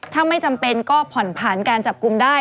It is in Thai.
ถ้าไม่จำเป็นก็ผ่อนผันการจับกลุ่มได้